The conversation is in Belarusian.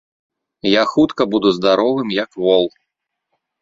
Я хутка буду здаровым як вол.